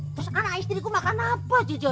terus anak istriku makan apa aja jok